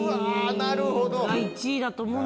なるほどね。